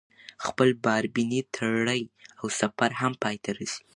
خپلې باربېنې تړي او سفر هم پاى ته رسي.